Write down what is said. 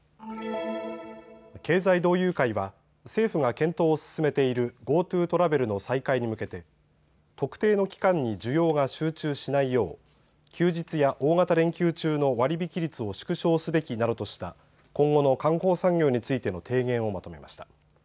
経済同友会は政府が検討を進めているＧｏＴｏトラベルの再開に向けて、特定の期間に需要が集中しないよう休日や大型連休中の割引率を縮小すべきなどとした今後の観光産業についての提言をまとめました。